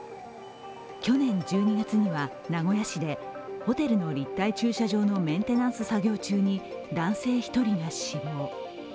去年１２月には、名古屋市でホテルの立体駐車場のメンテナンス作業中に男性１人が死亡。